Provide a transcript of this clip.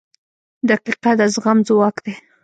• دقیقه د زغم ځواک دی.